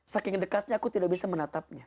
saking dekatnya aku tidak bisa menatapnya